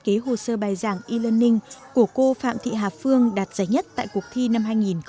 những bài giảng e learning của cô phạm thị hà phương đạt giá nhất tại cuộc thi năm hai nghìn một mươi năm